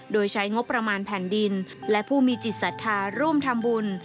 โดยใช้งบประมาณแผ่นดินและผู้มีจิตศรัทธาร่วมทำบุญ